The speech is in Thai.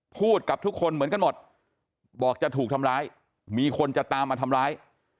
พูดกับทุกคนเหมือนกันหมดบอกจะถูกทำร้ายมีคนจะตามมาทำร้าย